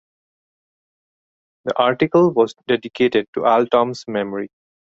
The article was dedicated to Altom's memory.